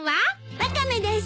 ワカメです。